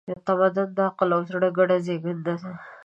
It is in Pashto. تمدن د عقل او زړه ګډه زېږنده ده.